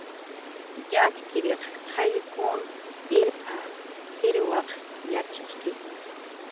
"Yatxchiriq qayllkun irt""p""a, irwaq yatxichki."